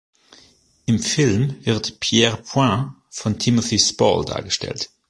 Im Film wird Pierrepoint von Timothy Spall dargestellt.